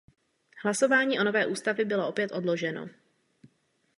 Hlasování o nové ústavě bylo opět odloženo.